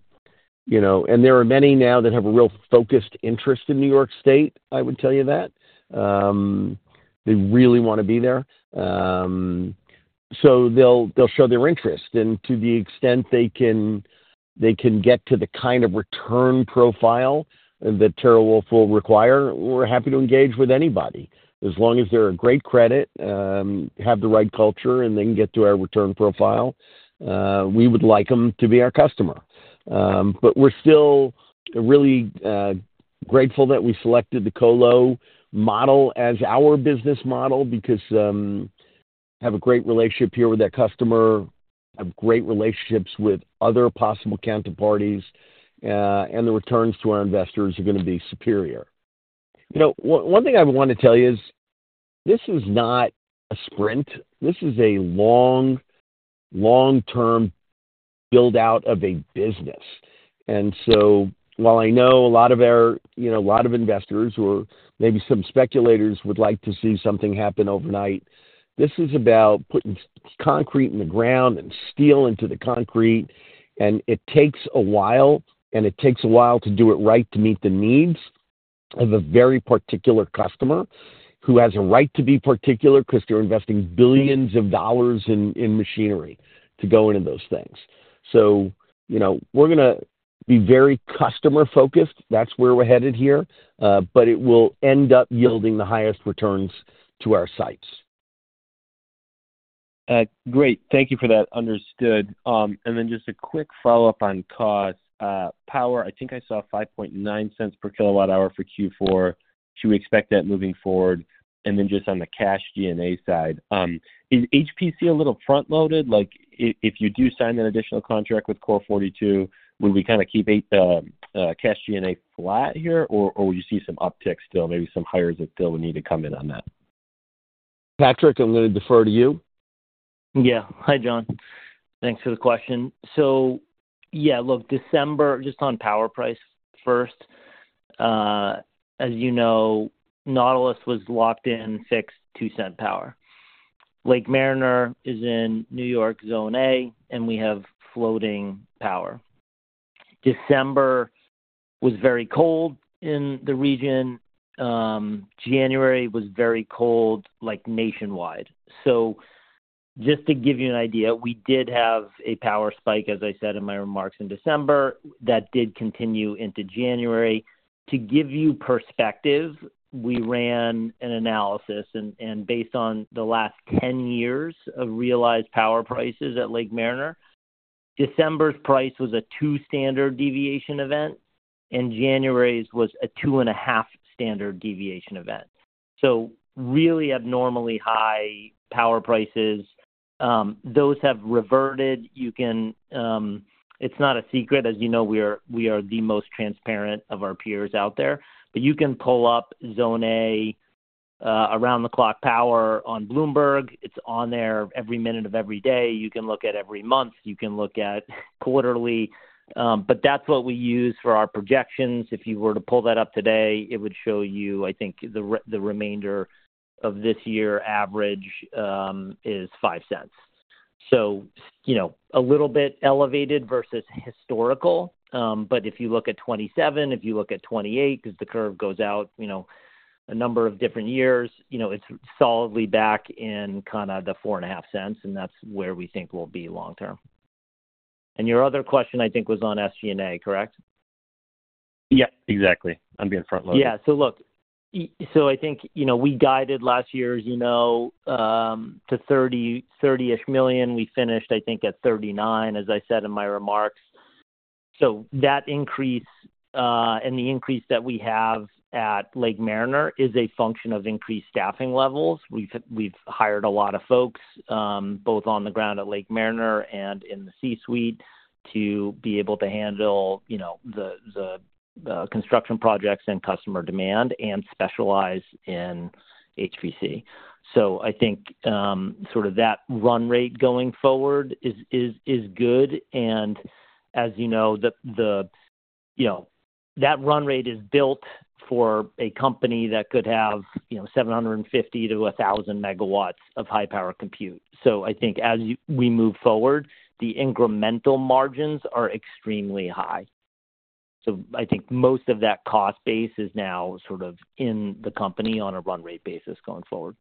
there are many now that have a real focused interest in New York State. I would tell you that. They really want to be there. So they'll show their interest. And to the extent they can get to the kind of return profile that TeraWulf will require, we're happy to engage with anybody. As long as they're a great credit, have the right culture, and they can get to our return profile, we would like them to be our customer. But we're still really grateful that we selected the colo model as our business model because we have a great relationship here with that customer, have great relationships with other possible counterparties, and the returns to our investors are going to be superior. One thing I want to tell you is this is not a sprint. This is a long-term build-out of a business. And so while I know a lot of our investors or maybe some speculators would like to see something happen overnight, this is about putting concrete in the ground and steel into the concrete. It takes a while, and it takes a while to do it right to meet the needs of a very particular customer who has a right to be particular because they're investing billions of dollars in machinery to go into those things. So we're going to be very customer-focused. That's where we're headed here, but it will end up yielding the highest returns to our sites. Great. Thank you for that. Understood. Then just a quick follow-up on cost. Power, I think I saw $0.059 per kilowatt-hour for Q4. Should we expect that moving forward? Then just on the cash G&A side, is HPC a little front-loaded? If you do sign an additional contract with Core42, would we kind of keep cash G&A flat here, or would you see some uptick still, maybe some hires that still would need to come in on that? Patrick, I'm going to defer to you. Yeah. Hi, John. Thanks for the question. So yeah, look, December, just on power price first, as you know, Nautilus was locked in fixed $0.02 power. Lake Mariner is in New York Zone A, and we have floating power. December was very cold in the region. January was very cold nationwide. So just to give you an idea, we did have a power spike, as I said in my remarks in December, that did continue into January. To give you perspective, we ran an analysis, and based on the last 10 years of realized power prices at Lake Mariner, December's price was a two-standard deviation event, and January's was a two-and-a-half-standard deviation event. So really abnormally high power prices. Those have reverted. It's not a secret. As you know, we are the most transparent of our peers out there. But you can pull up Zone A, around-the-clock power on Bloomberg. It's on there every minute of every day. You can look at every month. You can look at quarterly. But that's what we use for our projections. If you were to pull that up today, it would show you, I think, the remainder of this year average is $0.05. So a little bit elevated versus historical. But if you look at 2027, if you look at 2028, because the curve goes out a number of different years, it's solidly back in kind of the $0.045, and that's where we think we'll be long-term. And your other question, I think, was on SG&A, correct? Yep. Exactly. I'm being front-loaded. Yeah. So look, so I think we guided last year, as you know, to $30 million-ish. We finished, I think, at $39 million, as I said in my remarks. So that increase and the increase that we have at Lake Mariner is a function of increased staffing levels. We've hired a lot of folks both on the ground at Lake Mariner and in the C-suite to be able to handle the construction projects and customer demand and specialize in HPC. So I think sort of that run rate going forward is good. And as you know, that run rate is built for a company that could have 750-1,000 megawatts of high-power compute. So I think as we move forward, the incremental margins are extremely high. So I think most of that cost base is now sort of in the company on a run rate basis going forward.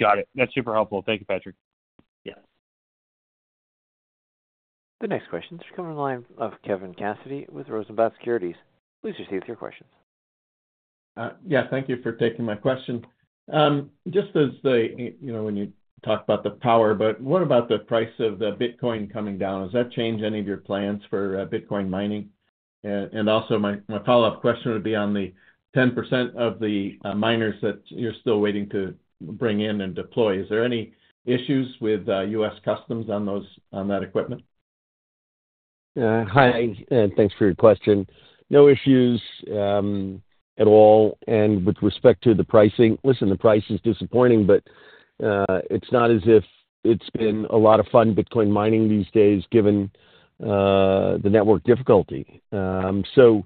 Got it. That's super helpful. Thank you, Patrick. Yes. The next questions are coming live from Kevin Cassidy with Rosenblatt Securities. Please proceed with your questions. Yeah. Thank you for taking my question. Just as when you talk about the power, but what about the price of the Bitcoin coming down? Has that changed any of your plans for Bitcoin mining? And also my follow-up question would be on the 10% of the miners that you're still waiting to bring in and deploy. Is there any issues with U.S. customs on that equipment? Hi. Thanks for your question. No issues at all. And with respect to the pricing, listen, the price is disappointing, but it's not as if it's been a lot of fun Bitcoin mining these days given the network difficulty. So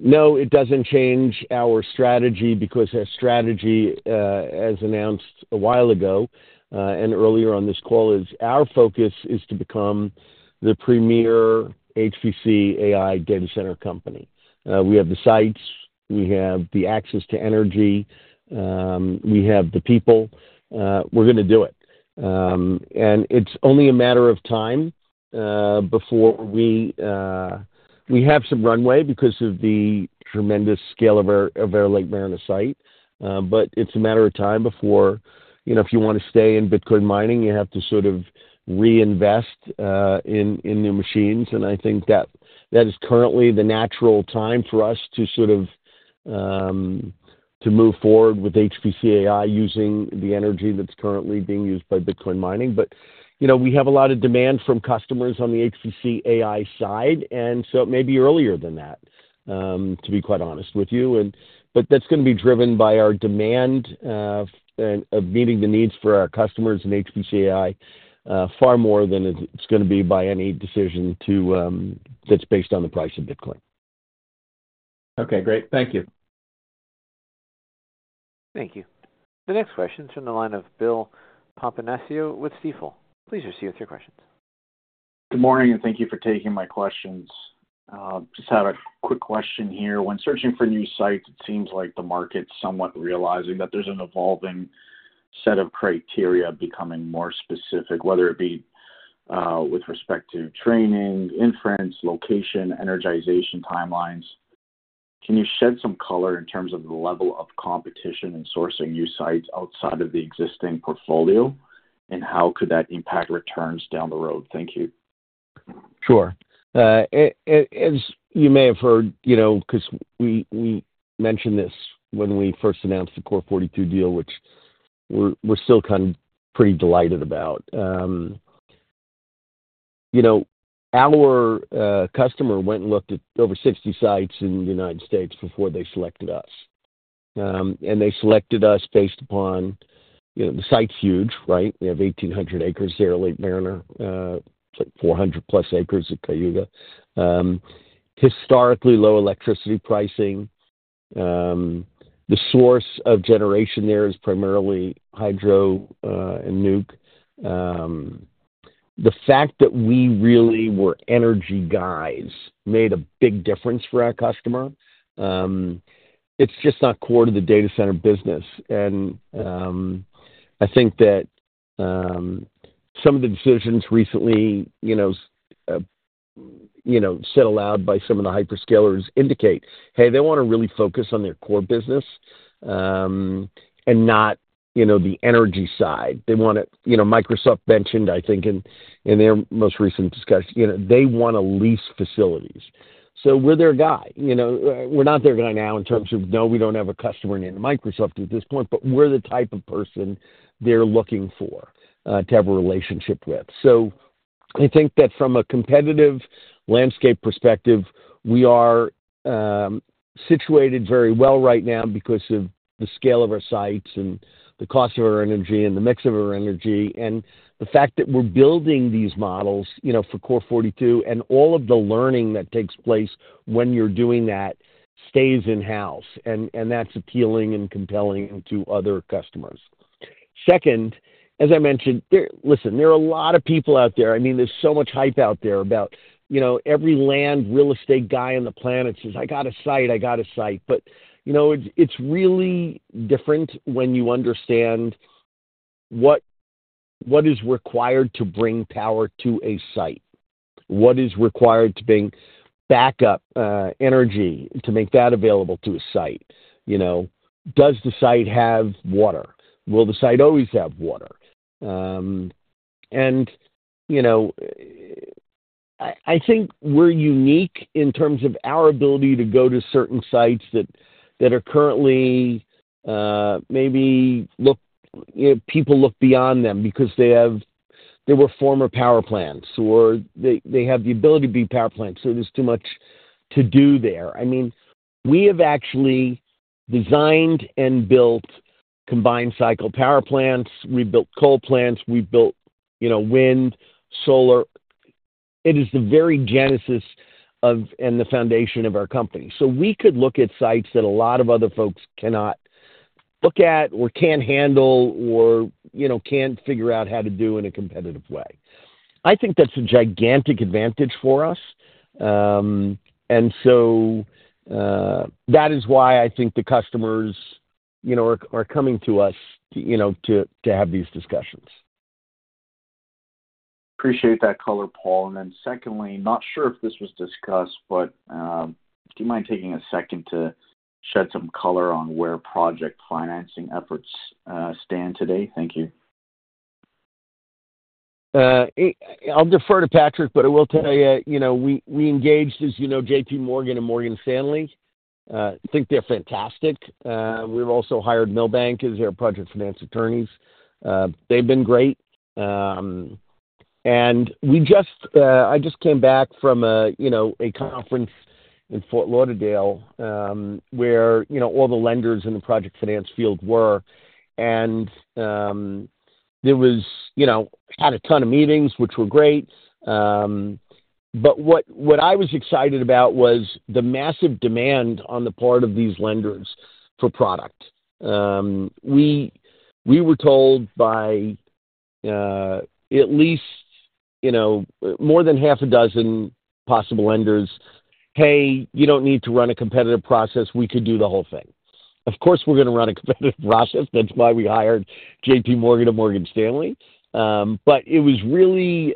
no, it doesn't change our strategy because our strategy, as announced a while ago and earlier on this call, is our focus is to become the premier HPC AI data center company. We have the sites. We have the access to energy. We have the people. We're going to do it, and it's only a matter of time before we have some runway because of the tremendous scale of our Lake Mariner site. But it's a matter of time before if you want to stay in Bitcoin mining, you have to sort of reinvest in new machines, and I think that is currently the natural time for us to sort of move forward with HPC AI using the energy that's currently being used by Bitcoin mining. But we have a lot of demand from customers on the HPC AI side, and so it may be earlier than that, to be quite honest with you, but that's going to be driven by our demand of meeting the needs for our customers in HPC AI far more than it's going to be by any decision that's based on the price of Bitcoin. Okay. Great. Thank you. Thank you. The next question is from the line of Bill Papanastasiou with Stifel. Please proceed with your questions. Good morning, and thank you for taking my questions. Just have a quick question here. When searching for new sites, it seems like the market's somewhat realizing that there's an evolving set of criteria becoming more specific, whether it be with respect to training, inference, location, energization timelines. Can you shed some color in terms of the level of competition in sourcing new sites outside of the existing portfolio, and how could that impact returns down the road? Thank you. Sure. As you may have heard, because we mentioned this when we first announced the Core42 deal, which we're still kind of pretty delighted about, our customer went and looked at over 60 sites in the United States before they selected us. They selected us based upon the site's huge, right? We have 1,800 acres there at Lake Mariner. It's like 400-plus acres at Cayuga. Historically low electricity pricing. The source of generation there is primarily hydro and nuke. The fact that we really were energy guys made a big difference for our customer. It's just not core to the data center business. I think that some of the decisions recently spelled out by some of the hyperscalers indicate, hey, they want to really focus on their core business and not the energy side. They want to. Microsoft mentioned, I think, in their most recent discussion, they want to lease facilities. So we're their guy. We're not their guy now in terms of, no, we don't have a customer named Microsoft at this point, but we're the type of person they're looking for to have a relationship with. So I think that from a competitive landscape perspective, we are situated very well right now because of the scale of our sites and the cost of our energy and the mix of our energy. And the fact that we're building these models for Core42 and all of the learning that takes place when you're doing that stays in-house, and that's appealing and compelling to other customers. Second, as I mentioned, listen, there are a lot of people out there. I mean, there's so much hype out there about every land real estate guy on the planet says, "I got a site. I got a site." But it's really different when you understand what is required to bring power to a site, what is required to bring backup energy to make that available to a site. Does the site have water? Will the site always have water? I think we're unique in terms of our ability to go to certain sites that are currently maybe people look beyond them because they were former power plants or they have the ability to be power plants. There's too much to do there. I mean, we have actually designed and built combined cycle power plants. We built coal plants. We built wind, solar. It is the very genesis and the foundation of our company. We could look at sites that a lot of other folks cannot look at or can't handle or can't figure out how to do in a competitive way. I think that's a gigantic advantage for us. That is why I think the customers are coming to us to have these discussions. Appreciate that color, Paul. Then secondly, not sure if this was discussed, but do you mind taking a second to shed some color on where project financing efforts stand today? Thank you. I'll defer to Patrick, but I will tell you we engaged, as you know, J.P. Morgan and Morgan Stanley. I think they're fantastic. We've also hired Milbank as their project finance attorneys. They've been great. And I just came back from a conference in Fort Lauderdale where all the lenders in the project finance field were. And we had a ton of meetings, which were great. But what I was excited about was the massive demand on the part of these lenders for product. We were told by at least more than half a dozen possible lenders, "Hey, you don't need to run a competitive process. We could do the whole thing." Of course, we're going to run a competitive process. That's why we hired J.P. Morgan and Morgan Stanley. But it was really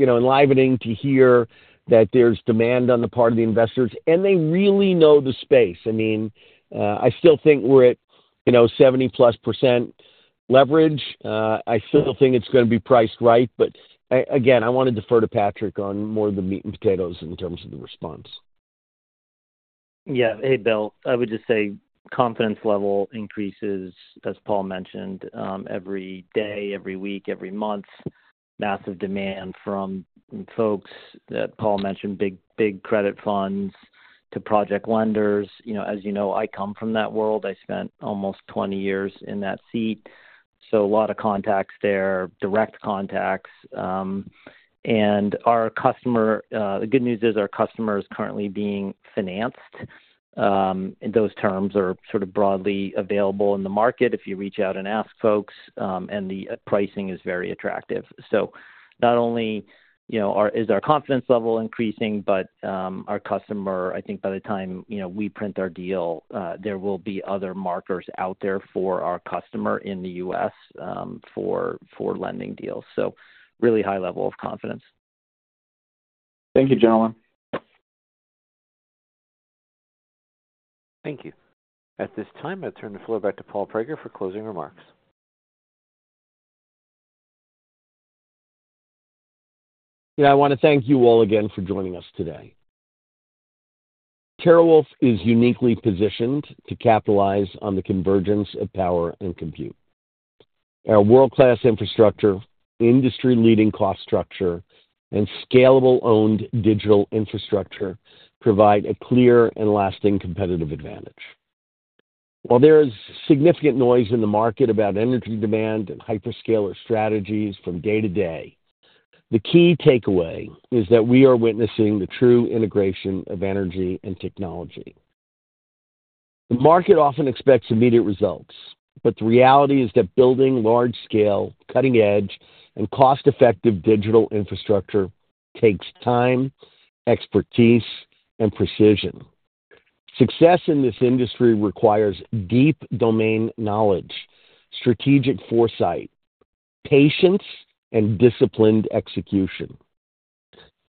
enlivening to hear that there's demand on the part of the investors, and they really know the space. I mean, I still think we're at 70-plus% leverage. I still think it's going to be priced right. But again, I want to defer to Patrick on more of the meat and potatoes in terms of the response. Yeah. Hey, Bill. I would just say confidence level increases, as Paul mentioned, every day, every week, every month. Massive demand from folks that Paul mentioned, big credit funds to project lenders. As you know, I come from that world. I spent almost 20 years in that seat. So a lot of contacts there, direct contacts. And the good news is our customer is currently being financed. Those terms are sort of broadly available in the market if you reach out and ask folks, and the pricing is very attractive. So not only is our confidence level increasing, but our customer, I think by the time we print our deal, there will be other markets out there for our customer in the U.S. for lending deals. So really high level of confidence. Thank you, gentlemen. Thank you. At this time, I turn the floor back to Paul Prager for closing remarks. Yeah. I want to thank you all again for joining us today. TerraWulf is uniquely positioned to capitalize on the convergence of power and compute. Our world-class infrastructure, industry-leading cost structure, and scalable-owned digital infrastructure provide a clear and lasting competitive advantage. While there is significant noise in the market about energy demand and hyperscaler strategies from day to day, the key takeaway is that we are witnessing the true integration of energy and technology. The market often expects immediate results, but the reality is that building large-scale, cutting-edge, and cost-effective digital infrastructure takes time, expertise, and precision. Success in this industry requires deep domain knowledge, strategic foresight, patience, and disciplined execution.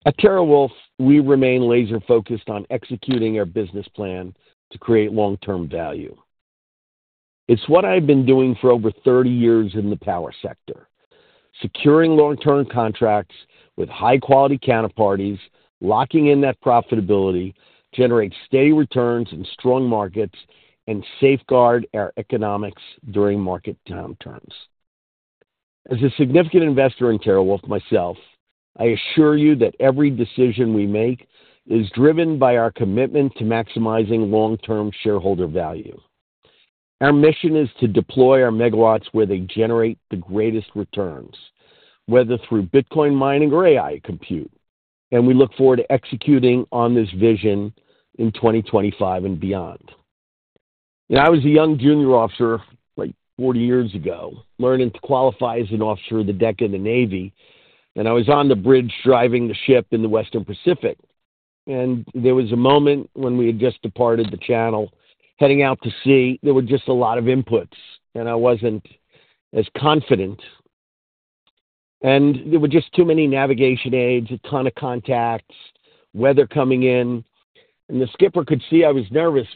At TerraWulf, we remain laser-focused on executing our business plan to create long-term value. It's what I've been doing for over 30 years in the power sector: securing long-term contracts with high-quality counterparties, locking in that profitability, generating steady returns in strong markets, and safeguarding our economics during market downturns. As a significant investor in TerraWulf myself, I assure you that every decision we make is driven by our commitment to maximizing long-term shareholder value. Our mission is to deploy our megawatts where they generate the greatest returns, whether through Bitcoin mining or AI compute. And we look forward to executing on this vision in 2025 and beyond. When I was a young junior officer like 40 years ago, I learned to qualify as an officer of the deck of the Navy, and I was on the bridge driving the ship in the Western Pacific. And there was a moment when we had just departed the channel heading out to sea. There were just a lot of inputs, and I wasn't as confident. And there were just too many navigation aids, a ton of contacts, weather coming in. And the skipper could see I was nervous,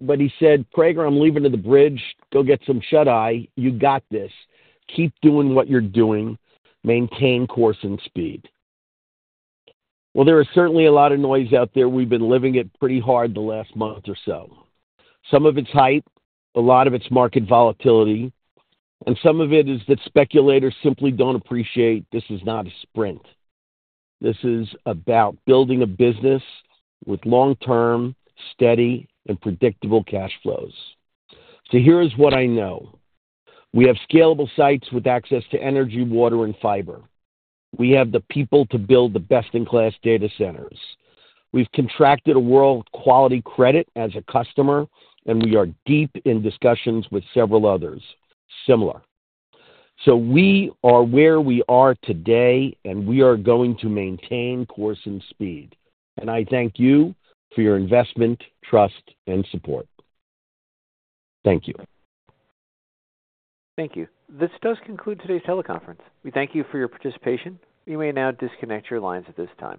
but he said, "Prager, I'm leaving the bridge. Go get some shut-eye. You got this. Keep doing what you're doing. Maintain course and speed." Well, there is certainly a lot of noise out there. We've been living it pretty hard the last month or so. Some of it's hype, a lot of it's market volatility, and some of it is that speculators simply don't appreciate this is not a sprint. This is about building a business with long-term, steady, and predictable cash flows. So here is what I know. We have scalable sites with access to energy, water, and fiber. We have the people to build the best-in-class data centers. We've contracted a world-quality credit as a customer, and we are deep in discussions with several others similar. So we are where we are today, and we are going to maintain course and speed. And I thank you for your investment, trust, and support. Thank you. Thank you. This does conclude today's teleconference. We thank you for your participation. You may now disconnect your lines at this time.